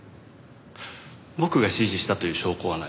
僕が指示したという証拠はない。